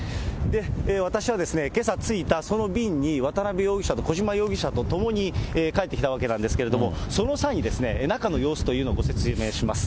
私はけさ着いたその便に渡辺容疑者と小島容疑者と共に帰ってきたわけなんですけれども、その際に、中の様子というのをご説明します。